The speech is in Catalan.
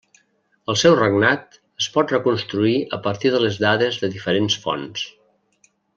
El seu regnat es pot reconstruir a partir de les dades de diferents fonts.